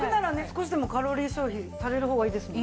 少しでもカロリー消費される方がいいですもんね。